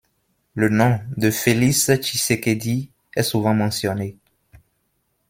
Le nom de Félix Tshisekedi est souvent mentionné.